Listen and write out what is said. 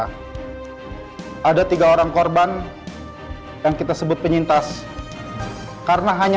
dari tim kita ada tiga orang korban yang kita sebut penyintas karena hanya